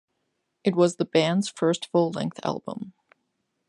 It was the band's first full-length album.